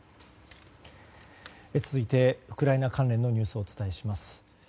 続いて、ウクライナ関連のニュースをお伝えします。